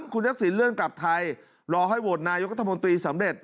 คุณทักษิณเลื่อนกลับไทยรอให้โหวตนายกัธมนตรีสำเร็จ